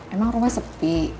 emang rumah sepi